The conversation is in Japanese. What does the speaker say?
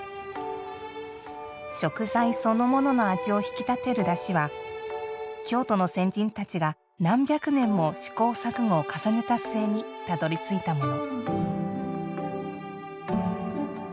食材そのものの味を引き立たてるだしは京都の先人たちが何百年も試行錯誤を重ねた末にたどりついたもの。